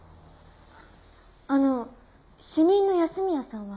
あの主任の安洛さんは？